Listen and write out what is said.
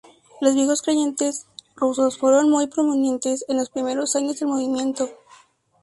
Los viejos creyentes rusos fueron muy prominentes en los primeros años del movimiento.